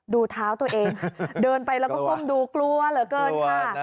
ดูเท้าตัวเองเดินไปแล้วก็ก้มดูกลัวเหลือเกินค่ะ